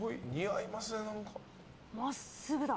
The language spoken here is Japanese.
真っすぐだ。